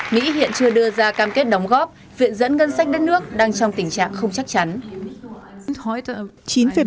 mỹ hiện chưa đưa ra cam kết đóng góp viện dẫn ngân sách đất nước đang trong tình trạng không chắc chắn